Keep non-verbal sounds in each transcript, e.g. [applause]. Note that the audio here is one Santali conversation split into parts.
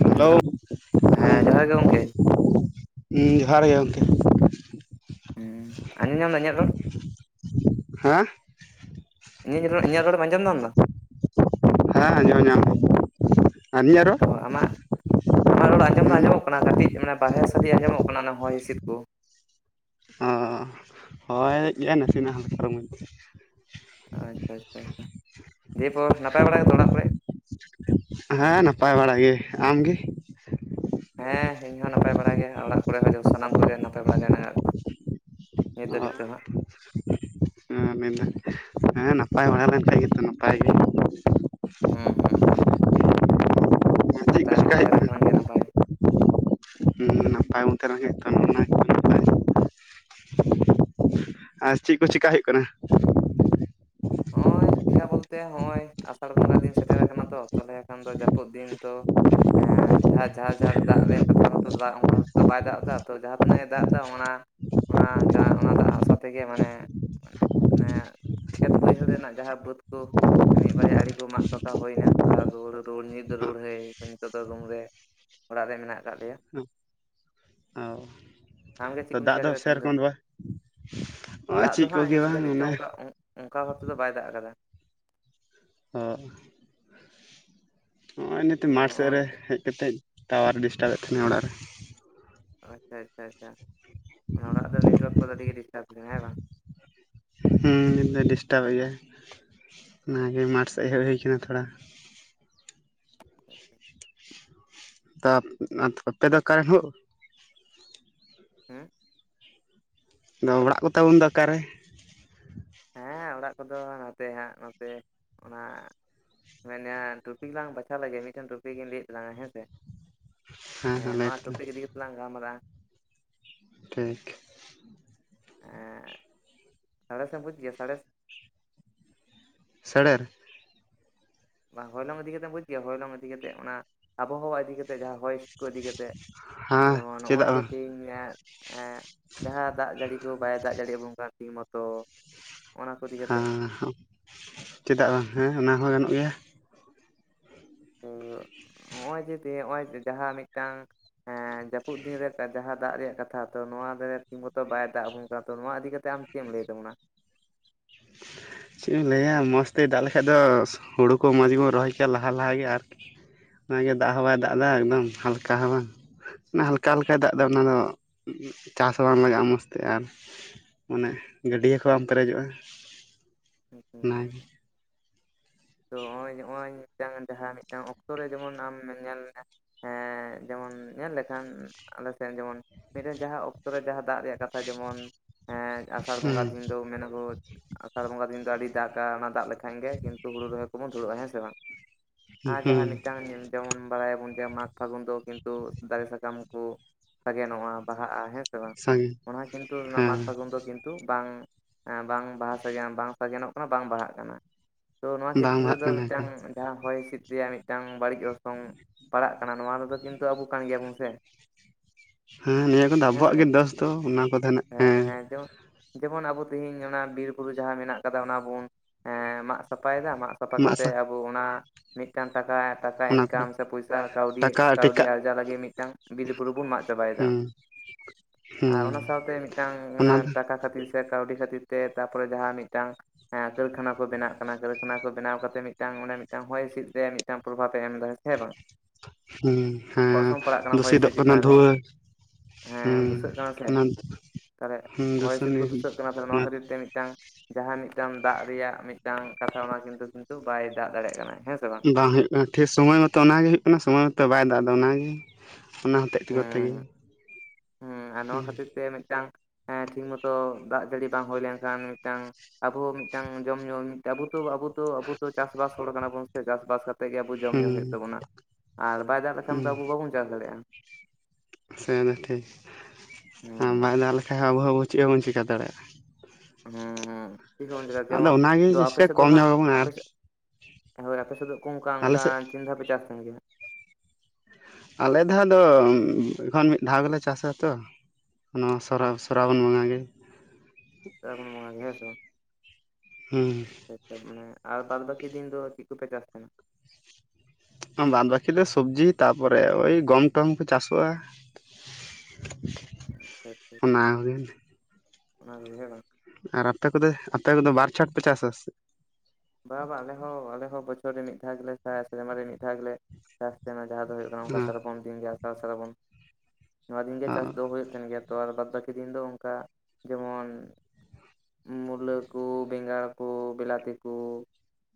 ᱦᱮᱞᱳ ᱦᱮᱸ ᱡᱚᱦᱟᱨ ᱜᱮ ᱜᱚᱝᱠᱮ [inaudible] ᱦᱮᱸ ᱡᱚᱦᱟᱨ ᱜᱮ ᱜᱚᱢᱠᱮ ᱦᱸ ᱟᱱᱡᱚᱧ ᱧᱟᱢ ᱫᱟ ᱤᱧᱟᱜ ᱨᱚᱲ ᱦᱮᱸ ᱤᱧᱟᱹᱜ [inaudible] ᱨᱚᱲ ᱟᱧᱡᱚᱢ ᱧᱟᱢ ᱫᱟ ᱦᱮᱸ ᱟᱸᱡᱚᱢ ᱧᱟᱢ ᱟᱨ ᱤᱧᱟᱜ ᱨᱚᱲ ᱚ ᱟᱢᱟᱜ ᱟᱢᱟᱜ ᱨᱚᱲ ᱟᱸᱡᱚᱢ ᱫᱚ ᱟᱸᱡᱚᱢᱚᱜ ᱠᱟᱱᱟ ᱠᱟᱹᱴᱤᱡ ᱢᱟᱱᱮ ᱵᱟᱨᱦᱮ ᱥᱟᱰᱮᱤ ᱟᱸᱡᱚᱢᱚᱜ ᱠᱟᱱᱟ ᱚᱱᱟ ᱦᱚᱭ ᱦᱤᱸᱥᱤᱫ ᱠᱚ ᱚᱻ ᱦᱚᱭ ᱮᱫ ᱜᱮᱭᱟ ᱱᱟᱥᱮᱱᱟᱜ ᱦᱚᱸ [inaudible] ᱚᱢᱟᱹᱧ ᱟᱪᱪᱷᱟ ᱟᱪᱪᱷᱟ ᱟᱪᱷᱟ ᱫᱤᱭᱮᱯᱚᱨ ᱱᱟᱯᱟᱭ ᱵᱟᱲᱟ ᱜᱮᱛᱚ ᱚᱲᱟᱜ ᱠᱚᱨᱮ ᱦᱮᱸ ᱱᱟᱯᱟᱭ ᱵᱟᱲ ᱜᱤ ᱟᱢ ᱜᱮ ᱦᱮᱸ ᱤᱧ ᱦᱚᱸ ᱱᱟᱯᱟᱭ ᱵᱟᱲᱟ ᱜᱮᱭᱟ ᱚᱲᱟᱜ ᱠᱚᱨᱮ ᱦᱚᱸ ᱥᱟᱱᱟᱢ ᱠᱚᱜᱮ ᱱᱟᱯᱟᱭ ᱵᱟᱲᱟ ᱜᱮ ᱢᱮᱱᱟᱜ ᱟᱠᱟᱫ ᱠᱚᱣᱟ [unintelligible] [unintelligible] ᱢᱮᱱ ᱦᱮᱸ ᱱᱟᱯᱟᱭ ᱵᱟᱲᱟ ᱞᱮᱱᱠᱷᱟᱡ ᱜᱮᱛᱚ ᱱᱟᱯᱟᱭ ᱜᱮ ᱦᱮᱸ ᱦᱮᱸ ᱦᱮᱸ ᱪᱮᱫ ᱠᱚ ᱱᱟᱯᱟᱭ ᱵᱚᱱ ᱪᱮᱠᱟ ᱦᱩᱭᱩᱜ ᱛᱟᱦᱮᱸ ᱞᱮᱱ ᱠᱟᱱᱟ ᱠᱷᱟᱱ ᱜᱮ ᱱᱟᱯᱟᱭ [unintelligible] ᱦᱩᱸ ᱱᱟᱯᱟᱭ ᱵᱚᱱ ᱛᱟᱦᱮᱸ [unintelligible] ᱛᱱᱟ ᱟᱨ ᱪᱤᱫ ᱠᱚ ᱪᱮᱠᱟ ᱦᱩᱭᱩᱜ ᱠᱟᱱᱟ ᱦᱚᱸᱜᱼᱚᱭ ᱪᱮᱠᱟ ᱵᱚᱞᱛᱮ ᱦᱚᱸᱜᱼᱚᱭ ᱟᱥᱟᱲ ᱵᱚᱸᱜᱟ ᱫᱤᱱ ᱥᱮᱴᱮᱨ ᱟᱠᱟᱱᱟ ᱛᱚ ᱛᱟᱦᱚᱞᱮ ᱠᱷᱟᱱ ᱫᱚ ᱡᱟᱹᱯᱩᱫ ᱫᱤᱱ ᱫᱚ ᱮᱻ ᱡᱟᱦᱟ ᱡᱷᱟᱨ ᱡᱷᱟᱨ ᱫᱟᱜ ᱨᱮᱭᱟᱜ ᱠᱟᱛᱷᱟ ᱫᱚ ᱚᱱᱠᱟ ᱫᱚ ᱵᱟᱭ ᱫᱟᱜ ᱮᱫᱟ ᱛᱚ ᱡᱟᱦᱟᱸ ᱛᱤᱱᱟᱹᱜ ᱮ ᱫᱟᱜ ᱮᱫᱟ ᱚᱱᱟ ᱚᱱᱟ ᱚᱱᱟ ᱫᱟᱜ ᱟᱥᱟ ᱛᱮᱜᱮ ᱢᱟᱱᱮ ᱢᱟᱱᱮ ᱠᱷᱮᱛ ᱵᱟᱹᱭᱦᱟᱹᱲ ᱨᱮᱱᱟᱜ ᱡᱟᱦᱟᱸ ᱵᱟᱹᱫᱽ ᱠᱚ ᱢᱤᱫ ᱵᱟᱨᱭᱟ ᱟᱲᱮ ᱠᱚ ᱢᱟᱜ ᱴᱚᱠᱟ ᱦᱩᱭ ᱮᱱᱟ ᱟᱨ ᱨᱩᱣᱟᱹᱲ ᱨᱩᱟᱹᱲ ᱧ ᱫᱚ ᱨᱩᱟᱹᱲ ᱦᱮ ᱱᱤᱛᱚᱜ ᱫᱚ ᱨᱩᱢ ᱨᱮ ᱚᱲᱟᱜ ᱨᱮ ᱢᱮᱱᱟᱜ ᱟᱠᱟᱫ ᱞᱮᱭᱟ ᱚ ᱟᱢᱜᱮ ᱛᱚ ᱪᱮᱫ ᱠᱚᱢ ᱫᱟᱜ ᱪᱤᱠᱟ ᱠᱮᱫᱟ ᱛᱮᱦᱮᱧ ᱫᱚ ᱥᱮᱨᱚᱠᱚᱢ ᱵᱟᱝ ᱱᱚᱜᱼᱚᱭ ᱫᱟᱜ ᱫᱚ ᱪᱮᱫ ᱦᱟᱸᱜ ᱠᱚᱜᱮ ᱱᱤᱛ ᱵᱟᱝ ᱫᱷᱟᱹᱵᱤᱡ ᱛᱮ ᱚᱱᱮ ᱚᱱᱠᱟ ᱚᱱᱠᱟ ᱵᱷᱟᱵ ᱛᱮ ᱫᱚ ᱵᱟᱭ ᱫᱟᱜ ᱟᱠᱟᱫᱟ ᱦᱩᱻ ᱱᱤᱛ ᱟᱫᱚ ᱢᱟᱴ ᱥᱮᱫ ᱱᱚᱜᱼᱚᱭ ᱨᱮ ᱦᱮᱡ ᱠᱟᱛᱮᱡ ᱴᱟᱣᱟᱨ ᱰᱤᱥᱴᱟᱵ ᱮᱫ ᱛᱟᱦᱮᱱᱟ ᱚᱲᱟᱜ ᱨᱮ ᱟᱪᱪᱷᱟ ᱟᱪᱪᱷᱟ ᱟᱪᱪᱷᱟ ᱚᱱᱟ ᱚᱲᱟᱜ ᱫᱚ ᱱᱮᱴᱚᱣᱟᱨᱠ ᱠᱚᱫᱚ ᱟᱹᱰᱤᱜ ᱜᱮ ᱰᱤᱥᱴᱟᱵ [unintelligible] ᱦᱮᱸ ᱵᱟᱝ ᱦᱮᱸ [unintelligible] ᱰᱤᱥᱴᱟᱵ ᱮᱫ ᱜᱮᱭᱟ ᱚᱱᱟᱜᱮ ᱢᱟᱴ ᱥᱮᱫ ᱦᱮᱡ ᱦᱳᱭ ᱟᱠᱟᱱᱟ ᱛᱷᱚᱲᱟ [unintelligible] [unintelligible] ᱟᱯᱮ ᱫᱚ ᱚᱠᱟ ᱨᱮᱱ ᱦᱳ [unintelligible] ᱟᱫᱚ ᱚᱲᱟᱜ [unintelligible] ᱫᱚ ᱚᱠᱟ ᱨᱮ ᱦᱮᱸ ᱚᱲᱟᱜ ᱠᱚᱫᱚ ᱱᱚᱛᱮ ᱦᱟᱸᱜ ᱱᱚᱛᱮ ᱚᱱᱟ [unintelligible] ᱴᱚᱯᱤᱠ ᱞᱟᱝ ᱵᱟᱪᱷᱟᱣ ᱞᱮᱜᱮ ᱢᱤᱫ ᱴᱮᱱ ᱴᱚᱯᱤᱠ ᱤᱧ ᱞᱟᱹᱭ ᱮᱫᱟ ᱛᱟᱞᱟᱝᱟ ᱦᱮᱸᱥᱮ ᱦᱮᱸ ᱦᱮᱸ ᱞᱟᱹᱭ ᱱᱚᱣᱟ ᱛᱟᱞᱟᱝ ᱴᱚᱯᱤᱠ ᱜᱤᱫᱤ ᱠᱟᱛᱮ ᱞᱟᱝ ᱜᱟᱞᱢᱟᱨᱟᱜᱼᱟ ᱴᱷᱤᱠ ᱮᱻ ᱥᱟᱬᱮᱥ ᱮᱢ ᱵᱩᱡ ᱜᱮᱭᱟ ᱥᱟᱬᱮᱥ [unintelligible] ᱦᱚᱭ ᱞᱚᱝ ᱤᱫᱤ ᱠᱟᱛᱮᱢ ᱵᱩᱡᱽ ᱜᱮᱭᱟ ᱦᱚᱭ ᱞᱚᱝ ᱤᱫᱤ ᱠᱟᱛᱮ ᱚᱱᱟ ᱟᱵᱚᱦᱟᱣᱟ ᱤᱫᱤ ᱠᱟᱛᱮ ᱡᱟᱦᱟ ᱦᱚᱸᱭ ᱠᱚ ᱤᱫᱤ ᱠᱟᱛᱮᱫ ᱦᱮᱸ ᱡᱮᱢᱚᱱ ᱪᱮᱫᱟᱜ ᱱᱚᱸᱜᱼᱚᱭ ᱡᱮ ᱵᱟᱝ ᱛᱤᱦᱤᱧ ᱦᱟᱸᱜ ᱡᱟᱸᱦᱟ ᱫᱟᱜ ᱡᱟᱹᱲᱤ ᱠᱚ ᱵᱟᱭ ᱫᱟᱜ ᱡᱟᱹᱲᱤ ᱟᱵᱩᱱ ᱠᱟᱱᱟ ᱴᱷᱤᱠ ᱢᱚᱛᱚ ᱚᱱᱟ ᱠᱚ ᱤᱫᱤ ᱠᱟᱛᱮ ᱦᱮᱸ ᱪᱮᱫᱟᱜ ᱵᱟᱝ ᱦᱮᱸ ᱚᱱᱟ ᱦᱚᱸ ᱜᱟᱱᱚᱜ ᱜᱮᱭᱟ᱾ ᱦᱚᱸᱜᱼᱚᱭ ᱡᱮ [unintelligible] ᱡᱟᱦᱟᱸ ᱢᱤᱫ ᱴᱟᱝ ᱡᱟᱹᱯᱩᱫ ᱫᱤᱱ ᱨᱮ ᱡᱟᱦᱟᱸ ᱫᱟᱜ ᱨᱮᱭᱟᱜ ᱠᱟᱛᱷᱟ ᱛᱚ᱾ ᱱᱚᱣᱟ ᱴᱷᱤᱠ ᱢᱚᱛᱚ ᱵᱟᱭ ᱫᱟᱜ ᱟᱵᱚᱱ ᱠᱟᱱᱟ ᱛᱚ ᱱᱚᱣᱟ ᱤᱫᱤ ᱠᱟᱛᱮ ᱟᱢ ᱪᱮᱫ ᱮᱢ ᱞᱟᱹᱭ ᱛᱟᱵᱚᱱᱟ ᱪᱮᱫ ᱮᱢ ᱞᱟᱹᱭᱼᱟ᱾ᱢᱚᱡᱽ ᱛᱮ ᱫᱟᱜ ᱞᱮᱠᱟᱡ ᱫᱚ ᱦᱩᱲᱩ ᱠᱚ ᱢᱚᱡᱽ ᱜᱮ ᱵᱚᱱ ᱨᱚᱦᱚᱭ ᱠᱮᱭᱟ ᱞᱟᱦᱟ ᱞᱟᱦᱟ ᱜᱮ ᱟᱨᱠᱤ ᱚᱱᱟ ᱜᱮ ᱫᱟᱜ ᱦᱚᱸ ᱵᱟᱭ ᱫᱟᱜ ᱮᱫᱟ ᱮᱠᱫᱚᱢ ᱦᱟᱞᱠᱟ ᱦᱚᱸ ᱵᱟᱝ ᱚᱱᱟ ᱦᱟᱞᱠᱟ ᱦᱟᱞᱠᱟ ᱫᱟᱜ ᱫᱟ ᱚᱱᱟ ᱫᱚ ᱪᱟᱥ ᱦᱚᱸ ᱵᱟᱝ ᱞᱟᱜᱟᱜᱼᱟ ᱢᱚᱡᱽ ᱛᱮ ᱟᱨ ᱢᱟᱱᱮ ᱜᱟᱹᱰᱭᱟᱹ ᱠᱚ ᱵᱟᱝ ᱯᱮᱨᱮᱡᱚᱜᱼᱟ᱾ [inaudible] ᱟᱨ ᱛᱚ ᱱᱚᱸᱜᱼᱚᱭ, ᱱᱚᱸᱜᱼᱚᱭ ᱢᱤᱫ ᱴᱟᱝ ᱡᱟᱦᱟᱸ ᱢᱤᱫ ᱴᱟᱝ ᱚᱠᱛᱚ ᱨᱮ ᱡᱮᱢᱚᱱ ᱟᱢ ᱧᱮᱞ ᱢᱮ ᱦᱮᱸ ᱡᱮᱢᱚᱱ ᱧᱮᱞ ᱞᱮᱠᱷᱟᱱ ᱟᱞᱮ ᱥᱮᱱ ᱡᱮᱢᱚᱱ ᱢᱤᱫ ᱴᱮᱱ ᱡᱟᱸᱦᱟ ᱚᱠᱛᱚ ᱨᱮ ᱡᱟᱸᱦᱟ ᱫᱟᱜ ᱨᱮᱭᱟᱜ ᱠᱟᱛᱷᱟ ᱡᱮᱢᱚᱱ ᱟᱸᱥᱟᱲ ᱵᱚᱸᱜᱟ ᱦᱩᱸ ᱫᱤᱱ ᱫᱚ ᱢᱮᱱ ᱟᱠᱚ ᱟᱸᱥᱟᱲ ᱵᱚᱸᱜᱟ ᱫᱤᱱ ᱫᱚ ᱟᱹᱰᱤ ᱫᱟᱜ-ᱟ᱾ᱚᱱᱟ ᱫᱟᱜ ᱞᱮᱠᱷᱟᱱ ᱜᱮ ᱠᱤᱱᱛᱩ ᱦᱩᱲᱩ ᱨᱚᱦᱚᱭ ᱠᱚᱵᱚᱱ ᱫᱷᱩᱨᱟᱹᱜ-ᱟ᱾ ᱦᱮᱸ ᱥᱮ ᱵᱟᱝ? ᱟ ᱡᱟᱸᱦᱟ ᱦᱩᱸ ᱢᱤᱫ ᱴᱟᱝ [inaudible] ᱡᱮᱢᱚᱱ ᱵᱟᱲᱟᱭ ᱟᱵᱚᱱ ᱡᱮ ᱢᱟᱜᱽ ᱯᱷᱟᱹᱜᱩᱱ ᱫᱚ ᱠᱤᱱᱛᱩ ᱫᱟᱨᱮ ᱥᱟᱠᱟᱢ ᱠᱚ ᱥᱟᱜᱮᱱᱚᱜᱼᱟ ᱵᱟᱦᱟᱜᱼᱟ ᱦᱮᱸ ᱥᱮ ᱵᱟᱝ? ᱥᱟᱺᱜᱤᱧ ᱚᱱᱟ ᱦᱚᱸ ᱠᱤᱱᱛᱩ ᱚᱱᱟ ᱢᱟᱜᱽ ᱦᱮᱸ ᱯᱷᱟᱹᱜᱩᱱ ᱫᱚ ᱠᱤᱱᱛᱩ ᱵᱟᱝ ᱵᱟᱝ ᱵᱟᱦᱟ ᱥᱟᱜᱮᱱ ᱵᱟᱝ ᱥᱟᱜᱮᱱᱚᱜ ᱠᱟᱱᱟ ᱵᱟᱝ ᱵᱟᱦᱟᱜ ᱠᱟᱱᱟ᱾ ᱛᱚ ᱱᱚᱣᱟ ᱵᱟᱝ ᱠᱷᱮᱛᱨᱮ ᱵᱟᱦᱟᱜ ᱨᱮᱫᱚ ᱠᱟᱱᱟ ᱢᱤᱫ ᱠᱚ ᱴᱟᱝ ᱡᱟᱸᱦᱟ ᱦᱚᱭ ᱦᱤᱸᱥᱤᱫ ᱨᱮᱭᱟᱜ ᱢᱤᱫ ᱴᱟᱝ ᱵᱟᱹᱲᱤᱡ ᱚᱨᱥᱚᱝ ᱯᱟᱲᱟᱜ ᱠᱟᱱᱟ ᱱᱚᱣᱟ ᱨᱮ ᱫᱚ ᱠᱤᱱᱛᱩ ᱟᱵᱚ ᱠᱟᱱ ᱜᱮᱭᱟ ᱵᱚᱱ ᱥᱮ ᱦᱮᱸ ᱱᱤᱭᱟᱹ ᱠᱚᱫᱚ ᱦᱮᱸ ᱥᱮ ᱟᱵᱚᱣᱟᱜ ᱜᱮ ᱵᱟᱝ ᱫᱚᱥ ᱫᱚ ᱚᱱᱟ ᱠᱚ [inaudible] ᱦᱮᱸ ᱡᱮᱢᱚᱱ ᱟᱵᱚ ᱛᱤᱦᱤᱧ ᱚᱱᱟ ᱵᱤᱨ ᱵᱩᱨᱩ ᱡᱟᱦᱟ ᱢᱮᱱᱟᱜ ᱟᱠᱟᱫᱟ ᱚᱱᱟ ᱵᱩᱱ ᱥᱟᱯᱟᱭ ᱫᱟ ᱢᱟᱜ ᱥᱟᱯᱟ ᱢᱟᱜᱥᱟ ᱠᱟᱛᱮᱫ ᱟᱵᱚ ᱚᱱᱟ ᱢᱤᱫ ᱴᱟᱝ ᱴᱟᱠᱟ ᱴᱟᱠᱟ ᱚᱱᱟ ᱠᱚᱨᱮ ᱤᱱᱠᱟᱢ ᱥᱮ ᱯᱚᱭᱥᱟ ᱠᱟᱹᱣᱰᱤ ᱴᱟᱠᱟ ᱠᱟᱹᱣᱰᱤ ᱴᱮᱠᱟᱜ ᱟᱨᱡᱟᱣ ᱞᱟᱹᱜᱤᱫ ᱢᱤᱫ ᱴᱟᱝ ᱵᱤᱨ ᱵᱩᱨᱩ ᱵᱩᱱ ᱢᱟᱜ ᱪᱟᱵᱟᱭ ᱫᱟ᱾ [unintelligible] ᱟᱨ ᱦᱮᱸ ᱚᱱᱟ ᱥᱟᱶᱛᱮ ᱢᱤᱫ ᱴᱟᱝ ᱚᱱᱟ ᱴᱟᱠᱟ ᱠᱷᱟᱹᱛᱤᱨ ᱥᱮ ᱠᱟᱹᱣᱰᱤ ᱠᱷᱟᱹᱛᱤᱨ ᱛᱮ ᱛᱟᱯᱚᱨᱮ ᱡᱟᱸᱦᱟ ᱢᱤᱫ ᱴᱟᱝ ᱠᱟᱹᱨᱠᱷᱟᱱᱟ ᱠᱚ ᱵᱮᱱᱟᱜ ᱠᱟᱱᱟ᱾ ᱠᱟᱹᱨᱠᱷᱟᱱᱟ ᱠᱚ ᱵᱮᱱᱟᱣ ᱠᱟᱛᱮ ᱢᱤᱫ ᱴᱟᱝ ᱚᱱᱟ ᱢᱤᱫ ᱴᱟᱝ ᱦᱚᱭ ᱦᱤᱸᱥᱤᱫ ᱨᱮᱭᱟᱜ ᱢᱤᱫᱴᱟᱝ ᱯᱨᱚᱵᱷᱟᱵᱽ ᱮ ᱮᱢ ᱫᱟ ᱥᱮ ᱵᱟᱝ ᱦᱩᱸ ᱦᱮᱸ ᱚᱨᱥᱚᱝ ᱯᱟᱲᱟᱜ ᱠᱟᱱᱟ ᱦᱚᱭ ᱦᱤᱸᱥᱤᱫ ᱫᱩᱥᱤᱛᱚᱜ ᱠᱟᱱᱟ ᱪᱮᱛᱟᱱ ᱨᱮ ᱫᱷᱩᱣᱟᱹ [unintelligible] ᱠᱟ ᱨᱮ᱾ᱦᱚᱭ ᱦᱤᱸᱥᱤᱫ ᱠᱚ ᱫᱩᱥᱚᱱᱤ ᱫᱩᱥᱟᱹᱜ ᱠᱟᱱᱟ ᱛᱟᱦᱚᱞᱮ ᱱᱚᱣᱟ ᱠᱷᱟᱹᱛᱤᱨ ᱛᱮ ᱢᱤᱫ ᱴᱟᱝ ᱡᱟᱸᱦᱟ ᱢᱤᱫ ᱴᱟᱝ ᱫᱟᱜ ᱨᱮᱭᱟᱜ ᱢᱤᱫ ᱴᱟᱝ ᱠᱟᱛᱷᱟ ᱚᱱᱟ ᱠᱤᱱᱛᱩ ᱠᱤᱱᱛᱩ ᱵᱟᱭ ᱫᱟᱜ ᱫᱟᱲᱮᱭᱼᱟᱜ ᱠᱟᱱᱟ᱾ ᱦᱮᱸᱥᱮ ᱵᱟᱝ? ᱵᱟᱝ ᱦᱳᱭ ᱠᱟᱱᱟ ᱴᱷᱤᱠ ᱥᱚᱢᱚᱭ ᱢᱚᱛᱚ ᱚᱱᱟ ᱜᱮ ᱦᱳᱭᱳᱜ ᱠᱟᱱᱟ ᱥᱚᱢᱚᱭ ᱢᱚᱛᱚ ᱵᱟᱭ ᱫᱟᱜ ᱚᱱᱟ ᱜᱮ᱾ ᱚᱱᱟ ᱦᱚᱛᱮᱫ ᱛᱮᱜᱮ ᱦᱩᱸ ᱱᱚᱣᱟ ᱠᱷᱟᱹᱛᱤᱨ ᱛᱮ ᱢᱤᱫ ᱴᱟᱝ ᱴᱷᱤᱠ ᱢᱚᱛᱚ ᱫᱟᱜ ᱡᱟᱹᱲᱤ ᱵᱟᱝ ᱦᱩᱭ ᱞᱮᱱᱠᱷᱟᱱ ᱢᱤᱫ ᱴᱟᱝ ᱟᱵᱚ ᱢᱤᱫᱴᱟᱝ ᱡᱚᱢ ᱧᱩᱢ ᱟᱵᱩᱛᱳ ᱟᱵᱩᱛᱳ ᱟᱵᱩᱛᱳ ᱪᱟᱥᱵᱟᱥ ᱦᱚᱲ ᱠᱟᱱᱟᱵᱚᱱ ᱥᱮ ᱪᱟᱥᱵᱟᱥ ᱠᱟᱛ ᱛᱮᱜᱮ ᱟᱵᱚ ᱡᱚᱢ ᱦᱮᱸ ᱧᱩ ᱦᱳᱭᱳᱜ ᱛᱟᱵᱚᱱᱟ ᱟᱨ ᱵᱟᱭ ᱫᱟᱜ ᱞᱮᱠᱷᱟᱱ ᱫᱚ ᱟᱵᱚ ᱵᱟᱵᱚᱱ ᱪᱟᱥ ᱫᱟᱲᱮᱭᱟᱜᱼᱟ ᱾ ᱥᱮ ᱫᱚ ᱦᱮᱸ ᱴᱷᱤᱠ᱾ᱵᱟᱭ ᱫᱟᱜ ᱞᱮᱠᱷᱟᱡ ᱟᱵᱚ ᱦᱚᱸ ᱟᱵᱚ ᱪᱮᱜ ᱦᱚᱸ ᱪᱤᱠᱟᱹ ᱫᱟᱲᱮᱭᱟᱜᱼᱟ ᱾ ᱟᱫᱚ ᱚᱱᱟᱜᱮ [unintelligible] ᱟᱯᱮ ᱡᱮᱥᱮ ᱥᱮᱫ ᱫᱚ ᱠᱚᱢ ᱦᱟᱸᱜ ᱧᱚᱜ ᱟᱵᱚᱱ ᱟᱯᱮ ᱟᱨᱠᱤ ᱥᱮᱫ ᱦᱳᱭ ᱟᱯᱮ ᱫᱚ ᱠᱚᱝᱠᱟ ᱟᱞᱮ ᱚᱱᱠᱟ ᱥᱮᱫ ᱛᱤᱱ ᱫᱷᱟᱵᱤᱡ ᱪᱟᱥ ᱛᱟᱦᱮᱱ ᱜᱤᱭᱟ ᱾ ᱟᱞᱮ ᱫᱷᱟᱣ ᱫᱚ ᱮᱠᱷᱚᱱ ᱢᱤᱫ ᱫᱷᱟᱣ ᱜᱮᱞᱮ ᱪᱟᱥᱟ ᱛᱚ ᱾ ᱚᱱᱟ ᱥᱚᱨᱟ ᱥᱚᱨᱟᱵᱚᱱ ᱵᱚᱸᱜᱟ ᱜᱮ ᱥᱨᱟᱵᱚᱱ ᱵᱚᱸᱜᱟ ᱜᱮ᱾ ᱦᱮᱸ ᱥᱮ ᱵᱟᱝ? ᱦᱩᱸ ᱢᱟᱱᱮ ᱟᱨ ᱵᱟᱫ ᱵᱟᱹᱠᱤ ᱫᱤᱱ ᱫᱚ ᱪᱤᱜ ᱠᱚᱯᱮ ᱪᱟᱥ ᱛᱟᱦᱮᱱᱟ ᱾ ᱵᱟᱫ ᱵᱟᱠᱤ ᱫᱚ ᱥᱚᱵᱽᱡᱤ ᱛᱟᱯᱚᱨᱮ ᱳᱭ ᱜᱚᱢᱴᱚᱢ ᱠᱚ ᱪᱟᱥᱚᱜᱼᱟ ᱾ ᱚᱱᱟ ᱠᱚᱜᱮ [inaudible] ᱟᱨ ᱟᱯᱮ ᱠᱩᱫᱳ ᱟᱯᱮ ᱠᱚᱫᱚ ᱵᱟᱨ ᱪᱷᱚᱴ ᱯᱮ ᱪᱟᱥᱟ ᱥᱮ- ᱵᱟᱵᱟ ᱟᱞᱮ ᱦᱚᱸ ᱟᱞᱮ ᱦᱚᱸ ᱵᱚᱪᱷᱚᱨ ᱨᱮ ᱢᱤᱫ ᱫᱷᱟᱣ ᱜᱮᱞᱮ ᱪᱟᱥ ᱥᱮᱨᱢᱟ ᱨᱮ ᱢᱤᱫ ᱫᱷᱟᱣ ᱜᱮᱞᱮ ᱾ ᱪᱟᱥ ᱛᱮᱱᱟ ᱡᱟᱦᱟᱸ ᱫᱚ ᱦᱩᱭᱩᱜ ᱠᱟᱱᱟ ᱚ ᱚᱱᱠᱟ ᱥᱨᱟᱵᱚᱱ ᱫᱤᱱ ᱜᱮ ᱟᱥᱟᱲ ᱥᱟᱨᱵᱚᱱ ᱱᱚᱣᱟ ᱫᱤᱱᱜᱮ ᱚ ᱪᱟᱥ ᱫᱚ ᱦᱳᱭᱳᱜ ᱛᱟᱦᱮᱱ ᱜᱮᱭᱟ ᱾ ᱛᱚ ᱟᱨ ᱵᱟᱫᱽ ᱵᱟᱹᱠᱤ ᱫᱤᱱ ᱫᱚ ᱚᱱᱠᱟ ᱡᱮᱢᱚᱱ- ᱢᱩᱞᱟᱹ ᱠᱩ ᱵᱮᱸᱜᱟᱲ ᱠᱩ ᱵᱮᱞᱟᱛᱤ ᱠᱩ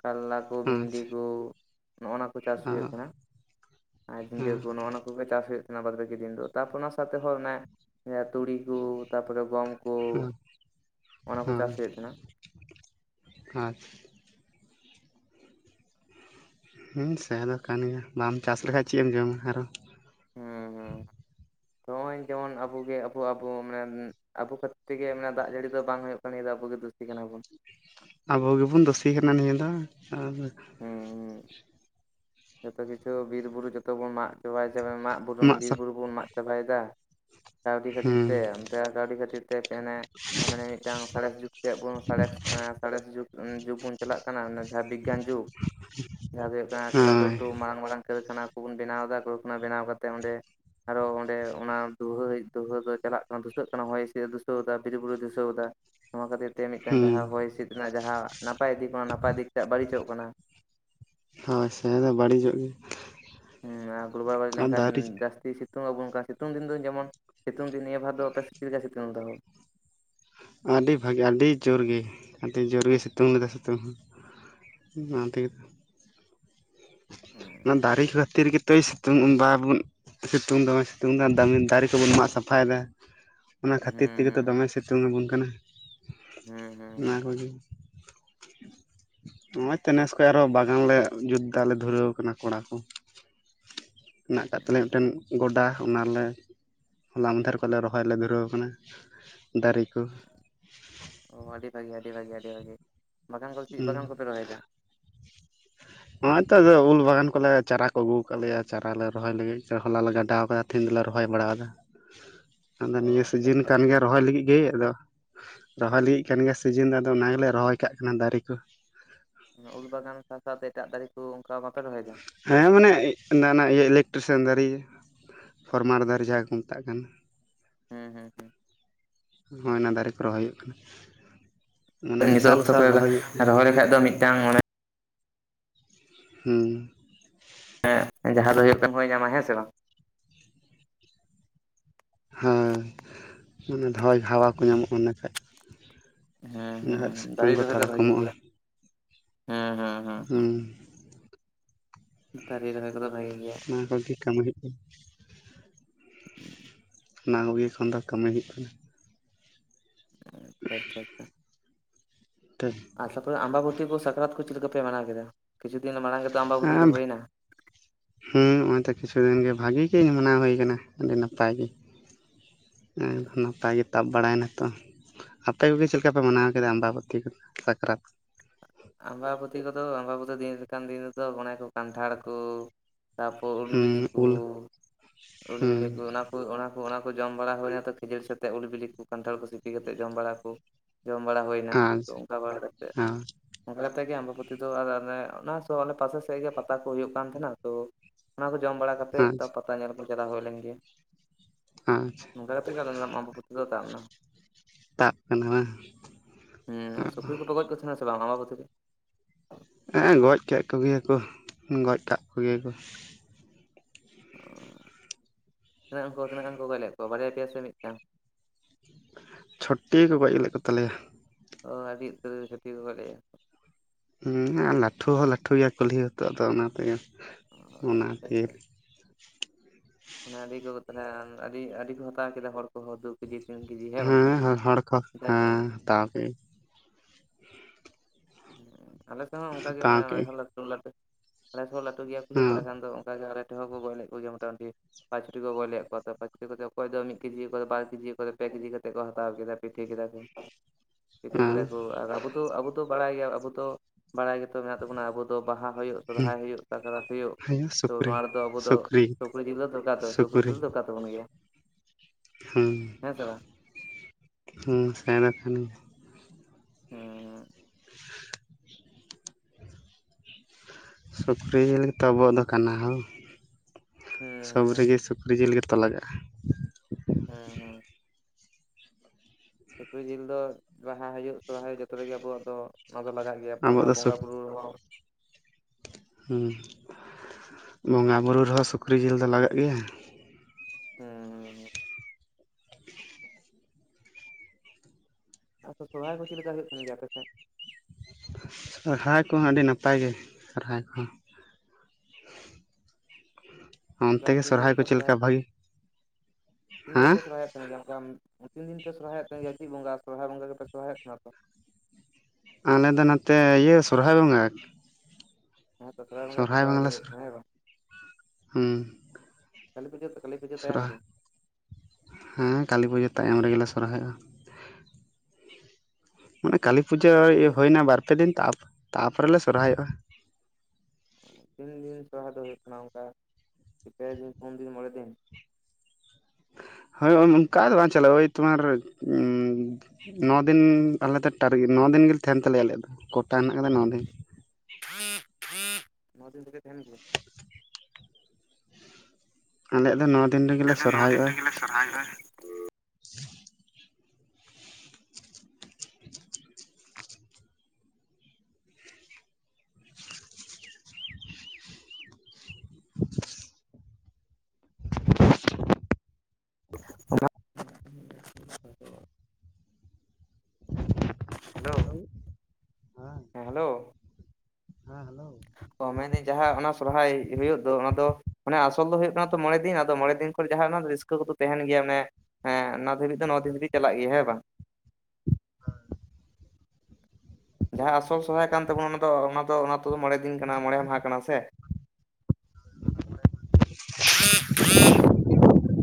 ᱠᱟᱨᱞᱟ [inaudible] ᱱᱚᱜᱼᱱᱟ ᱠᱚ ᱪᱟᱥ ᱦᱩᱭᱩᱜ ᱚ ᱠᱟᱱᱟ ᱟᱨ ᱦᱮᱸ ᱡᱷᱤᱸᱜᱟᱹ ᱠᱩ ᱦᱮᱸ ᱱᱚᱜᱱᱟ ᱠᱚᱜᱮ ᱪᱟᱥ ᱦᱩᱭᱩᱜ ᱚᱱᱟ ᱵᱟᱫᱽ ᱵᱟᱠᱤ ᱫᱤᱱ ᱫᱚ ᱛᱟᱨ ᱯᱚᱨ ᱚᱱᱟ ᱥᱟᱶ ᱛᱮ ᱦᱚᱸ ᱚᱱᱮ ᱛᱩᱲᱤ ᱠᱩ ᱛᱟᱯᱚᱨᱮ ᱜᱚᱢ ᱠᱚ ᱚᱱᱟ ᱠᱚ ᱪᱟᱥ ᱦᱩᱭᱩᱜ ᱛᱟᱦᱮᱱᱟ [unintelligible] ᱟᱪᱪᱟ ᱦᱮᱸᱧ ᱥᱮᱱ ᱟᱠᱟᱱ ᱜᱮᱭᱟ ᱵᱟᱢ ᱪᱟᱥ ᱞᱮᱠᱷᱟᱡ ᱪᱮᱫ ᱮᱢ ᱡᱚᱢᱟ ᱟᱨᱚ᱾ ᱦᱩᱸ ᱦᱩᱸ ᱱᱚᱜ-ᱚᱭ ᱡᱮᱢᱚᱱ ᱟᱵᱩ ᱜᱮ ᱟᱵᱚ ᱟᱵᱚ ᱢᱟᱱᱮ ᱟᱵᱚ ᱠᱷᱟᱹᱛᱤᱨ ᱛᱮᱜᱮ ᱢᱟᱱᱮ ᱫᱟᱜ ᱡᱟᱹᱲᱤ ᱫᱚ ᱵᱟᱝ ᱦᱳᱭᱳᱜ ᱠᱟᱱᱱᱤᱭᱟᱹ ᱫᱚ ᱟᱵᱩ ᱜᱮ ᱫᱩᱥᱤ ᱠᱟᱱᱟ ᱵᱚᱱ ᱾ ᱟᱵᱚ ᱜᱮᱵᱚᱱ ᱫᱳᱥᱤ ᱠᱟᱱᱟ ᱱᱤᱭᱟᱹ ᱫᱚ ᱦᱩᱸ ᱦᱩᱸᱜ ᱡᱷᱚᱛᱚ ᱠᱤᱪᱷᱩ ᱵᱤᱨ ᱵᱩᱨᱩ ᱡᱚᱛᱚ ᱵᱚᱱ ᱢᱟᱜ ᱪᱟᱵᱟᱭ ᱫᱟ ᱢᱟᱜ ᱵᱩᱨᱩ ᱵᱤᱨ ᱵᱩᱨᱩ ᱵᱚᱱ ᱢᱟᱜ ᱪᱟᱵᱟᱭ ᱫᱟ ᱠᱟᱹᱣᱰᱤ ᱠᱷᱟᱹᱛᱤᱨ ᱦᱮᱸ ᱛᱮ ᱚᱱᱛᱮ ᱠᱟᱹᱣᱰᱤ ᱠᱷᱟᱹᱛᱤᱨ ᱛᱮ ᱯᱮ ᱱᱮ ᱢᱟᱱᱮ ᱢᱤᱫᱴᱟᱝ ᱥᱟᱬᱮᱥ ᱡᱩᱜᱽ ᱛᱮ ᱵᱚᱱ ᱥᱟᱬᱮᱥ ᱥᱟᱬᱮᱥ ᱡᱩᱜᱽ ᱵᱩᱱ ᱪᱟᱞᱟᱜ ᱠᱟᱱᱟ ᱡᱟᱦᱟᱸ ᱵᱤᱜᱽᱜᱟᱱ ᱡᱩᱜᱽ ᱾ ᱡᱟᱦᱟᱸ ᱫᱚ ᱦᱩᱭᱩᱜ ᱠᱟᱱᱟ ᱦᱳᱭ [unintelligible] ᱢᱟᱨᱟᱝ ᱠᱟᱹᱨᱠᱷᱟᱱᱟ ᱠᱚᱵᱚᱱ ᱵᱮᱱᱟᱣ ᱮᱫᱟ ᱠᱟᱹᱨᱠᱷᱟᱱᱟ ᱵᱮᱱᱟᱣ ᱠᱟᱛᱮ ᱚᱸᱰᱮ ᱟᱨᱚ ᱚᱸᱰᱮ ᱚᱱᱟ ᱫᱩᱦᱟᱹᱭ ᱫᱩᱦᱟᱹ ᱫᱚ ᱪᱟᱞᱟᱜ ᱠᱟᱱᱟ ᱫᱷᱩᱥᱟᱹᱜ ᱠᱟᱱᱟ ᱦᱚᱭ ᱦᱤᱸᱥᱤᱫ ᱮ ᱫᱷᱩᱥᱟᱹᱣ ᱮᱫᱟ ᱵᱤᱨ ᱵᱩᱨᱩᱭ ᱫᱷᱩᱥᱟᱹᱣ ᱮᱫᱟ ᱾ ᱱᱚᱣᱟ ᱠᱷᱟᱹᱛᱤᱨ ᱛᱮ ᱢᱤᱫᱴᱟᱱ ᱦᱮᱸ ᱡᱟᱦᱟᱸ ᱦᱚᱭ ᱦᱤᱸᱥᱤᱫ ᱨᱮᱱᱟᱜ ᱡᱟᱦᱟᱸ ᱱᱟᱯᱟᱭ ᱫᱤᱠ ᱚᱱᱟ ᱱᱟᱯᱟᱭ ᱫᱤᱠ ᱵᱟᱹᱲᱤᱡᱚᱜ ᱠᱟᱱᱟ ᱾ ᱦᱳᱭ ᱥᱮ ᱟᱫᱚ ᱵᱟᱹᱲᱤᱡᱚᱜ ᱜᱮᱭᱟ᱾ ᱦᱩᱸ ᱱᱚᱣᱟ ᱜᱞᱳᱵᱟᱞ ᱵᱟᱲᱤᱡ ᱞᱮᱱᱠᱷᱟᱱ ᱡᱟᱹᱥᱛᱤ ᱥᱤ ᱛᱩ ᱟᱵᱚᱱ ᱠᱟ ᱥᱤᱛᱩᱝ ᱫᱤᱱ ᱫᱚ ᱡᱮᱢᱚᱱ ᱥᱤᱛᱩᱝ ᱫᱤᱱ ᱱᱤᱭᱟᱹ ᱵᱷᱟᱫᱚᱨ ᱟᱯᱮ ᱥᱮ ᱪᱮᱜ ᱥᱤᱛᱩᱝ ᱫᱚᱦᱚ ᱟᱹᱰᱤ ᱵᱷᱟᱜᱮ ᱟᱹᱰᱤ ᱡᱳᱨ ᱜᱮ ᱟᱹᱰᱤ ᱡᱳᱨ ᱜᱮ ᱥᱤᱛᱩᱝ ᱞᱮᱫᱟ ᱥᱤᱛᱩᱝ ᱦᱚᱸ ᱚᱱᱟ ᱛᱮᱜᱮ ᱛᱚ ᱚᱱᱟ ᱫᱟᱨᱮ ᱠᱷᱟᱹᱛᱤᱨ ᱜᱮᱛᱚᱭ ᱥᱤ ᱛᱩᱝ ᱩᱸ ᱵᱟᱵᱤᱜ ᱥᱤᱛᱩᱝ ᱫᱚᱢᱮᱭ ᱥᱤᱛᱩᱝ ᱮᱫᱟ ᱫᱚᱢᱮ ᱫᱟᱨᱮ ᱠᱚᱵᱚᱱ ᱢᱟᱜ ᱥᱟᱯᱷᱟᱭ ᱮᱫᱟ᱾ ᱚᱱᱟ ᱠᱷᱟᱹᱛᱤᱨ ᱛᱮᱜᱮ ᱛᱚ ᱦᱩᱸ ᱫᱚᱢᱮ ᱥᱤᱛᱩᱝ ᱟᱵᱚᱱ ᱠᱟᱱᱟ ᱦᱩᱸ ᱦᱩᱸ ᱚᱱᱟ ᱠᱚᱜᱤ- ᱱᱚᱜ-ᱚᱭ ᱛᱚ ᱱᱮᱥ ᱠᱷᱚᱡ ᱟᱨᱚ ᱵᱟᱜᱟᱱ ᱞᱮ ᱡᱩᱛᱫᱟ ᱟᱞᱮ ᱫᱷᱩᱨᱟᱹᱣ ᱠᱟᱱᱟ ᱠᱚᱲᱟ ᱠᱚ᱾ [unintelligible] ᱦᱮᱱᱟᱜ ᱠᱟᱫ ᱛᱟᱞᱮᱭᱟ ᱢᱤᱫ ᱴᱮᱱ ᱜᱚᱰᱟ᱾ ᱚᱱᱟᱞᱮ ᱦᱚᱞᱟ ᱢᱟᱫᱷᱮᱨ ᱠᱷᱚᱞᱮ ᱨᱚᱦᱚᱭ ᱞᱮ ᱫᱷᱩᱨᱟᱹᱣ ᱠᱟᱱᱟ ᱫᱟᱨᱮ ᱠᱚ ᱚᱻ ᱟᱹᱰᱤ ᱵᱷᱟᱜᱮ ᱟᱹᱰᱤ ᱵᱷᱟᱜᱮ ᱟᱹᱰᱤ ᱵᱷᱟᱜᱤ ᱵᱟᱜᱟᱱ ᱠᱚᱫᱚ ᱪᱤᱜ ᱦᱩᱸ ᱵᱟᱜᱟᱱ ᱠᱚᱯᱮ ᱨᱚᱦᱚᱭ ᱮᱫᱟ? ᱱᱚᱜ-ᱚᱭ ᱛᱚ ᱟᱫᱚ ᱩᱞ ᱵᱟᱜᱟᱱ ᱠᱚᱞᱮ ᱪᱟᱨᱟ ᱠᱚ ᱟᱹᱜᱩ ᱠᱟᱜ ᱞᱮᱭᱟ ᱪᱟᱨᱟ ᱞᱮ ᱨᱚᱦᱚᱭ ᱞᱟᱹᱜᱤᱫ ᱦᱚᱞᱟ ᱞᱮ ᱜᱟᱰᱟᱣ ᱠᱟᱫᱟ ᱾ ᱛᱤᱦᱤᱧ ᱞᱮ ᱨᱚᱦᱚᱭ ᱵᱟᱲᱟᱣᱟᱫᱟ- [unintelligible] ᱟᱫᱚ ᱱᱤᱭᱟᱹ ᱟᱪᱪᱷᱟ ᱥᱤᱡᱤᱱ ᱟᱪᱪᱷᱟ ᱟᱹᱰᱤ ᱵᱷᱟᱹᱜᱤ ᱠᱟᱱᱜᱮᱭᱟ ᱨᱚᱦᱚᱭ ᱞᱟᱹᱜᱤᱫ ᱜᱮ ᱟᱫᱚ ᱨᱚᱦᱚᱭ ᱞᱟᱹᱜᱤᱫ ᱠᱟᱱ ᱜᱮᱭᱟ ᱥᱤᱡᱤᱱ ᱫᱚ ᱟᱫᱚ ᱚᱱᱟ ᱜᱮᱞᱮ ᱨᱚᱦᱚᱭ ᱠᱟᱜ ᱠᱟᱱᱟ ᱫᱟᱨᱮ ᱠᱚ ᱩᱞ ᱵᱟᱜᱟᱱ ᱥᱟᱶ ᱥᱟᱶᱛᱮ ᱮᱴᱟᱜ ᱫᱟᱨᱮ ᱠᱚ ᱚᱱᱠᱟ ᱵᱟᱯᱮ ᱨᱚᱦᱚᱭ ᱫᱟ? ᱦᱮᱸ ᱢᱟᱱᱮ ᱤᱭᱟᱹ ᱤᱞᱮᱠᱴᱨᱤᱥᱤᱭᱟᱱ ᱫᱟᱨᱮ ᱯᱷᱚᱨᱢᱟᱨ ᱫᱟᱨᱮ ᱡᱟᱦᱟᱸ ᱠᱚ ᱢᱮᱛᱟᱜ ᱠᱟᱱᱟ ᱦᱮᱸ ᱦᱮᱸ ᱦᱮᱸ ᱦᱳᱭ ᱚᱱᱟ ᱫᱟᱨᱮ ᱠᱚ ᱨᱚᱦᱚᱭ ᱦᱩᱭᱩᱜ ᱠᱟᱱᱟ ᱢᱟᱱᱮ ᱱᱤᱛᱚᱜ ᱢᱮᱥᱟᱞ ᱚᱠᱛᱚ ᱯᱮ ᱢᱮᱥᱟᱞ ᱨᱚᱦᱚᱭ ᱦᱩᱭᱩᱜ ᱨᱚᱦᱚᱭ ᱞᱮᱠᱷᱟᱡ ᱫᱚ ᱢᱤᱫᱴᱟᱝ ᱚᱱᱮ ᱦᱩᱸ ᱦᱮᱸ ᱡᱟᱦᱟᱸ ᱫᱚ ᱦᱩᱭᱩᱜ ᱠᱟᱱ ᱦᱳᱭ ᱧᱟᱢᱟ ᱦᱮᱸ ᱥᱮ ᱵᱟᱝ ᱦᱚᱭ ᱢᱟᱱᱮ ᱦᱚᱭ ᱦᱟᱣᱟ ᱠᱚ ᱧᱟᱢᱚᱜᱼᱟ ᱤᱱᱟᱹᱠᱷᱟᱡ ᱦᱮᱸ ᱦᱮᱸ ᱫᱟᱨᱮ ᱨᱚᱦᱚᱭ ᱫᱚ ᱛᱷᱚᱲᱟ ᱵᱷᱟᱜᱤ ᱠᱚᱢᱚᱜᱼᱟ ᱜᱮᱭᱟ ᱦᱮᱸ ᱦᱮᱸ ᱦᱮᱸ ᱦᱩᱸ ᱫᱟᱨᱮ ᱨᱚᱦᱚᱭ ᱠᱚ ᱫᱚ ᱵᱷᱟᱜᱮ᱾ ᱚᱱᱟ ᱠᱚᱜᱮ ᱠᱟᱹᱢᱤ ᱦᱩᱭᱩᱜ ᱠᱟᱱᱟ ᱦ [unintelligible] ᱚᱱᱟ ᱠᱚᱜᱮ ᱠᱷᱟᱱ ᱫᱚ ᱠᱟᱹᱢᱤ ᱦᱩᱭᱩᱜ ᱠᱟᱱᱟ ᱟᱪᱪᱷᱟ ᱟᱪᱪᱷᱟ ᱟᱪᱪᱷᱟ ᱛᱮ ᱟᱥᱟᱯᱚᱨᱮ ᱟᱢᱵᱟᱵᱩᱛᱤ ᱠᱚ ᱥᱟᱠᱨᱟᱛ ᱠᱚ ᱪᱮᱫ ᱞᱮᱠᱟᱯᱮ ᱢᱟᱲᱣ ᱠᱮᱫᱟ ᱠᱤᱪᱷᱩ ᱫᱤᱱ ᱢᱟᱲᱟᱝ ᱠᱮᱫ ᱟᱢᱵᱟᱵᱟᱹᱤ ᱫᱚ ᱦᱮᱸ ᱦᱩᱭᱱᱟ ᱦᱮᱸ ᱱᱚᱜ ᱚᱭ ᱛᱚ ᱠᱤᱪᱷᱩ ᱫᱤᱱᱜ ᱜᱮ ᱵᱷᱟᱜᱤ ᱜᱤᱧ ᱢᱟᱱᱟᱣ ᱦᱩᱭ ᱟᱠᱟᱱᱟ ᱟᱹᱰᱤ ᱱᱟᱯᱟᱭ ᱜᱮ ᱱᱟᱯᱟᱭ ᱜᱮᱛᱟᱵᱚ ᱵᱟᱲᱟᱭᱱᱟ ᱛᱚ ᱟᱯᱮ ᱠᱚᱜᱮ ᱪᱮᱫ ᱞᱮᱠᱟ ᱯᱮ ᱢᱟᱱᱟᱣ ᱠᱮᱫᱟ ᱟᱢᱵᱟᱵᱟᱹᱛᱤ ᱠᱚ ᱥᱟᱠᱨᱟᱛ ᱟᱢᱵᱟᱵᱟᱹᱛᱤ ᱠᱚᱫᱚ ᱟᱢᱵᱟᱵᱟᱹᱛᱤ ᱫᱤᱱ ᱞᱮᱠᱟᱱ ᱫᱤᱱ ᱨᱮᱫᱚ ᱚᱱᱟ ᱠᱚ ᱠᱟᱱᱴᱷᱟᱲ ᱠᱚ ᱛᱟᱯᱚᱨ ᱩᱞ ᱵᱤᱞᱤ ᱦᱩᱸ ᱠᱚ ᱩᱞ ᱩᱞ ᱵᱤᱞᱤ ᱠᱚ ᱦᱩᱸ ᱚᱱᱟ ᱚᱱᱟ ᱠᱚ ᱚᱱᱟ ᱠᱚ ᱡᱚᱢ ᱵᱟᱲᱟ ᱦᱩᱭᱱᱟ ᱛᱚ ᱠᱷᱟᱡᱟᱹᱲᱤ ᱥᱟᱛᱮᱜ ᱩᱞ ᱵᱤᱞᱤ ᱠᱚ ᱠᱟᱱᱴᱷᱟᱲ ᱠᱚ ᱥᱤᱯᱤ ᱠᱟᱛᱮᱫ ᱡᱚᱢ ᱵᱟᱲᱟ ᱠᱚ ᱡᱚᱢ ᱵᱟᱲᱟ ᱦᱩᱭᱱᱟ ᱛᱚ ᱟᱪᱪᱷᱟ ᱚᱱᱠᱟ ᱵᱟᱲᱟᱛᱮᱫ ᱟᱪᱪᱷᱟ ᱚᱱᱠᱟ ᱠᱟᱛᱮᱜ ᱜᱮ ᱟᱢᱵᱟᱯᱟᱹᱛᱤ ᱫᱚᱮ ᱚᱱᱟ ᱟᱞᱮ ᱯᱟᱥᱮ ᱥᱮᱫ ᱜᱮ ᱯᱟᱛᱟ ᱠᱚ ᱦᱩᱭᱩᱜ ᱠᱟᱱ ᱛᱟᱦᱮᱱᱟ ᱛᱳ ᱚᱱᱟ ᱠᱚ ᱡᱚᱢ ᱵᱟᱲᱟ ᱠᱟ ᱠᱟᱛᱮᱜ ᱛᱚ ᱟᱪᱪᱷᱟ ᱯᱟᱛᱟ ᱧᱮᱞ ᱠᱚ ᱪᱟᱞᱟᱣ ᱦᱩᱭ ᱞᱮᱱ ᱜᱮᱭᱟ ᱟᱪᱪᱷᱟ ᱱᱚᱝᱠᱟ ᱠᱟᱛᱮ ᱜᱮ ᱟ ᱟᱵᱚ ᱫᱚ ᱛᱟᱵ ᱮᱱᱟ ᱛᱟᱵ ᱠᱟᱱᱟ ᱵᱟᱝ ᱦᱩᱸ ᱥᱩᱠᱨᱤ ᱠᱚᱠᱚ ᱜᱚᱡ ᱠᱚ ᱛᱟᱦᱮᱱᱟ ᱥᱮ ᱵᱟᱝ ᱟᱢᱵᱟᱵᱚᱛᱤ ᱨᱮ ᱦᱮᱸ ᱜᱚᱡ ᱠᱮᱫ ᱠᱚᱜᱮᱭᱟ ᱠᱚ ᱜᱚᱡ ᱠᱟᱜ ᱠᱚᱜᱮᱭᱟ ᱠᱚ ᱚ ᱛᱤᱱᱟᱹᱜ ᱠᱚ ᱛᱤᱱᱟᱹᱜ ᱜᱟᱱ ᱠᱚ ᱜᱚᱡ ᱞᱮᱫ ᱠᱚᱣᱟ ᱵᱟᱰᱟᱭ ᱯᱮᱭᱟ ᱥᱮ ᱢᱤᱫᱴᱟᱝ ᱪᱷᱚᱴᱤ ᱠᱚ ᱜᱚᱡ ᱞᱮᱫ ᱠᱚ ᱛᱟᱞᱮᱭᱟ ᱚ ᱟᱹᱰᱤ ᱩᱛᱟᱹᱨ [unintelligible] ᱦ ᱟᱨ ᱞᱟᱹᱴᱩ ᱦᱚᱸ ᱞᱟᱹᱴᱩ ᱜᱮᱭᱟ ᱠᱩᱞᱦᱤ ᱦᱚᱛᱫᱚ ᱚᱱᱟ ᱛᱮᱜᱮ ᱚ ᱚᱱᱟ ᱟᱪᱪᱷᱟ ᱛᱮᱜᱮ ᱚᱱᱟ ᱟᱹᱰᱤ ᱠᱚ ᱛᱟᱦᱮ ᱟᱹᱰᱤ ᱟᱹᱰᱤ ᱠᱚ ᱦᱟᱛᱟᱣ ᱠᱮᱫᱟ ᱦᱚᱲ ᱠᱚᱦᱚᱸ ᱫᱩᱠ [unintelligible] ᱦᱮᱸ ᱦᱚᱲ ᱠᱚ ᱦᱮᱸ ᱦᱟᱛᱟᱣ ᱦ ᱟᱞᱮ ᱥᱮᱫ ᱦᱚᱸ ᱚᱱᱠᱟ ᱜᱮ ᱦᱟᱛᱟᱣ ᱢᱟᱱᱮ ᱟᱲ ᱠᱮᱜ ᱞᱟᱴᱩ ᱞᱟᱹᱴᱩ ᱟᱲᱟᱭ ᱥᱚ ᱞᱟᱹᱩ [unintelligible] ᱛᱮ ᱟᱹᱧ ᱠᱷᱟᱱ ᱫᱚ ᱚᱱ ᱜᱮ ᱟᱞᱮ ᱦᱚᱸ ᱠᱚ ᱜᱚᱡ ᱞᱮᱫ ᱠᱚᱜᱮ ᱢᱚᱴᱟᱢᱩᱴᱤ ᱯᱟᱸᱪᱴᱤ ᱠᱚ ᱜᱚᱡ ᱞᱮᱫᱠᱣᱟ ᱯᱟᱸᱪᱴᱤ ᱠᱟᱛᱮᱫ ᱚᱠᱚᱭ ᱫᱚ ᱢᱤᱫ ᱠᱮᱡᱤ ᱠᱚ ᱵᱟᱨ ᱠᱮᱡᱤ ᱠᱚ ᱯᱮ ᱠᱮᱡᱤ ᱠᱟᱛᱮ ᱠᱚ ᱦᱟᱛᱟᱣ ᱠᱮᱫᱟ ᱯᱤᱴᱷᱟᱹ ᱠᱮᱫᱟ ᱠᱚ ᱯᱤᱴᱷᱟ ᱦᱮᱸ ᱠᱮᱫᱟᱠᱚ ᱟᱨ ᱟᱵᱚ ᱫᱚ ᱟᱵᱚ ᱫᱚ ᱵᱟᱲᱟᱭ ᱜᱮᱭᱟ ᱟᱵᱚ ᱵᱟᱲ ᱜᱮᱛᱚ ᱢᱮᱱᱟᱜ ᱛᱟᱵᱚᱱᱟ ᱟᱵᱚ ᱫᱚ ᱵᱟᱦᱟ ᱦᱩᱭᱩᱜ ᱥᱚᱦᱚᱨᱟᱭ ᱦᱩᱭᱩᱜ ᱥᱟᱠᱨᱟᱛ ᱦᱩᱭᱩᱜ ᱦᱮᱸ ᱛᱚ ᱥᱩᱠᱨᱤ ᱱᱚᱣᱟ ᱨᱮᱫᱚ ᱟᱵᱚ ᱫᱚ ᱥᱩᱠᱨᱤ ᱡᱤᱞ ᱫᱚᱨᱠᱟᱨ ᱛᱚ ᱥᱩᱠᱨᱤ ᱡᱤᱞ ᱫᱚᱨᱠᱟᱨ [unintelligible] ᱜᱮ ᱦᱮᱸ ᱦᱸ [unintelligible] ᱚ ᱥᱩᱠᱨᱤ ᱡᱤᱞ ᱜᱮ ᱛᱚᱵᱚᱜ ᱫᱚ ᱠᱟᱱᱟ ᱦᱚᱸ ᱥᱚᱵ ᱦᱩᱸ ᱨᱮᱜᱮ ᱥᱩᱠᱨᱤ ᱡᱤᱞ ᱜᱮᱛᱚ ᱞᱟᱜᱟᱜᱼᱟ ᱦᱩᱸ ᱥᱩᱠᱨᱤ ᱡᱤᱞ ᱫᱚ ᱵᱟᱦᱟ ᱦᱩᱭᱩᱜ ᱥᱚᱨᱦᱟᱭ ᱦᱩᱭᱩᱜ ᱡᱚᱛᱚ ᱨᱮᱜᱮ ᱟᱵᱚᱣᱟᱜ ᱫᱚ ᱚᱱᱟ ᱞᱟᱜᱟᱜ ᱜᱮ ᱟᱵᱚᱣᱟᱜ ᱫᱚ ᱵᱚᱸᱜᱟ ᱥᱩᱠ ᱵᱩᱨᱩ ᱨᱮᱦᱚ ᱵᱚᱸᱜᱟ ᱵᱩᱨᱩ ᱨᱮᱦᱚᱸ ᱥᱩᱠᱨᱤ ᱡᱤᱞ ᱫᱚ ᱞᱟᱜᱟᱜ ᱜᱮᱭᱟ ᱦᱩ ᱦᱩ ᱥᱚᱨᱚᱨᱟᱭ ᱠᱚ ᱪᱮᱫ ᱞᱮᱠᱟ ᱦᱩᱭᱩᱜ ᱠᱟᱱᱟ ᱜᱮᱭᱟ ᱟᱯᱮ ᱥᱮᱫ ᱥᱚᱨᱦᱟᱭ ᱠᱚᱦᱚᱸ ᱟᱹᱰᱤ ᱱᱟᱯᱟᱭ ᱜᱮ ᱥᱚᱨᱦᱟᱭ ᱠᱚᱦᱚᱸ ᱚᱱᱛᱮ ᱜᱮ ᱛᱤᱱ ᱫᱤᱱ ᱥᱚᱨᱦᱟᱭ ᱠᱚ ᱪᱮᱫ ᱞᱮᱠᱟ ᱵᱷᱟᱹᱜᱤ ᱛᱤᱱ ᱫᱤᱱ ᱦᱮᱸ ᱯᱮ ᱥᱚᱨᱦᱟᱭᱚᱜ ᱜᱮᱭᱟ ᱚᱱᱠᱟ ᱛᱤᱱᱟᱜ ᱫᱤᱱ ᱯᱮ ᱥᱚᱨᱦᱟᱭᱚᱜ ᱠᱟᱱ ᱜᱮᱭᱟ ᱪᱮᱫ ᱵᱚᱸᱜᱟ ᱥᱚᱨᱦᱟᱭ ᱵᱚᱸᱜᱟ ᱜᱮᱯᱮ ᱥᱚᱨᱦᱟᱭᱚᱜ ᱠᱟᱱ ᱜᱮᱭᱟ ᱛᱚ ᱟᱞᱮᱚ ᱱᱚᱛᱮ ᱤᱭᱟᱹ ᱥᱚᱨᱚᱦᱚᱨᱟᱭ ᱵᱚᱸᱜᱟ ᱦᱮᱸ ᱛᱚ ᱵᱚᱸᱜᱟ ᱯᱮ ᱥᱚᱨᱦᱟᱭ ᱫᱚ ᱵᱚᱜᱟᱞᱮ ᱦᱩᱭᱩᱜ ᱥᱳᱨᱼᱟ ᱠᱟᱱᱟ ᱦᱮᱸ ᱵᱟᱝ ᱩᱸ ᱠᱟᱹᱞᱤ ᱯᱩᱡᱩᱜ ᱠᱟᱹᱞᱤ ᱯᱩᱡᱟᱹ ᱛᱚ ᱦᱮ ᱜᱮ ᱦᱮᱸ ᱠᱟᱹᱞᱤ ᱯᱩᱡᱟᱹ ᱛᱟᱭᱚᱢ ᱨᱮᱜᱮᱞᱮ ᱥᱚᱨᱦᱟᱭᱚᱜ-ᱟ ᱢᱟᱱᱮ ᱠᱟᱹᱞᱤ ᱯᱩᱡᱟᱹ ᱛᱤᱱ ᱤᱭᱟᱹ ᱫᱤᱱ ᱦᱩᱭᱱᱟ ᱵᱟᱨᱯᱮ ᱫᱤᱱ ᱛᱟ ᱛᱟᱯᱚᱨᱮ ᱞᱮ ᱥᱚᱨᱦᱟᱭᱚᱜ-ᱟ ᱛᱤᱱ ᱫᱤᱱ ᱥᱚᱨᱦᱟᱭ ᱫᱚ ᱦᱩᱭᱩᱜ ᱠᱟᱱᱟ ᱚᱱᱠᱟ ᱯᱮ ᱫᱤᱱ ᱯᱩᱱ ᱫᱤᱱ ᱢᱚᱬᱮ ᱫᱤᱱ ᱦᱳᱭ ᱚᱱᱠᱟ ᱫᱚ ᱵᱟᱝ ᱪᱟᱞᱟᱜ-ᱟ ᱳᱭ ᱛᱳᱢᱟᱨ ᱱᱚ ᱫᱤᱱ ᱟᱞᱮ ᱫᱚ ᱴᱟᱨᱜ ᱱᱚ ᱫᱤᱱ ᱜᱮ ᱛᱟᱦᱮᱱ ᱛᱟᱞᱮᱭᱟ ᱟᱞᱮᱭᱟᱜ ᱫᱚ ᱠᱚᱴᱟ ᱦᱮᱱᱟᱜ ᱟᱠᱟᱫᱟ ᱱᱚ ᱫᱤᱱ ᱱᱚ ᱫᱤᱱ ᱛᱮ ᱛᱟᱦᱮᱱ ᱜᱮᱭᱟ ᱟᱞᱮᱭᱟᱜ ᱫᱚ ᱱᱚ ᱫᱤᱱ ᱨᱮᱜᱮ ᱞᱮ ᱟᱞᱮ ᱫᱚ ᱱᱚ ᱥᱚᱨᱦᱟᱭᱚᱜ-ᱟ [inaudible] [unintelligible] ᱦᱮᱞᱳ ᱦᱮᱸ ᱦᱮᱸ ᱦᱮᱞᱳ ᱦᱮᱸ ᱦᱮᱞᱳ ᱚ ᱢᱮᱱᱫᱟᱹᱧ ᱡᱟᱦᱟᱸ ᱚᱱᱟ ᱥᱚᱨᱦᱟᱭ ᱦᱩᱭᱩᱜ ᱫᱚ ᱚᱱᱟ ᱫᱚ ᱢᱟᱱᱮ ᱟᱥᱚᱞ ᱫᱚ ᱦᱩᱭᱩᱜ ᱠᱟᱱᱟ ᱛᱚ ᱢᱚᱬᱮ ᱫᱤᱱ ᱟᱫᱚ ᱢᱚᱬᱮ ᱫᱤᱱ ᱠᱷᱚᱱ ᱡᱟᱦᱟᱸ ᱨᱟᱹᱥᱠᱟᱹ ᱠᱚᱫᱚ ᱛᱟᱦᱮᱱ ᱜᱮᱭᱟ ᱢᱟᱱᱮ ᱦᱮᱸ ᱚᱱᱟ ᱫᱷᱟᱹᱵᱤᱡ ᱫᱚ ᱱᱚ ᱫᱤᱱ ᱜᱮ ᱪᱟᱞᱟᱜ ᱜᱮᱭᱟ ᱦᱮᱸ ᱵᱟᱝ ᱡᱟᱦᱟᱸ ᱟᱥᱚᱞ ᱥᱚᱦᱨᱟᱭ ᱠᱟᱱ ᱛᱟᱵᱚᱱᱟ ᱚᱱᱟ ᱫᱚ ᱚᱱᱟ ᱫᱚ ᱚᱱᱟ ᱫᱚ ᱢᱚᱬᱮ ᱫᱤᱱ ᱠᱟᱱᱟ ᱢᱚᱬᱮ ᱢᱟᱦᱟ ᱠᱟᱱᱟ ᱥᱮ